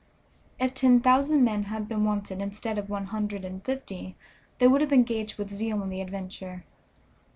If ten thousand men had been wanted instead of one hundred and fifty, they would have engaged with zeal in the adventure.